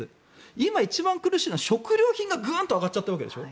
今、一番苦しいのは食料品がグーンと上がっちゃったわけでしょ？